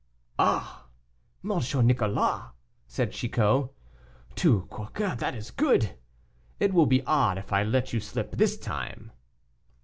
"Ah! M. Nicolas," said Chicot, "tu quoque, that is good. It will be odd if I let you slip this time!"